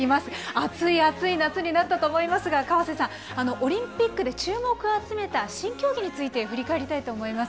あついあつい夏になったと思いますが、河瀬さん、オリンピックで注目を集めた新競技について振り返りたいと思います。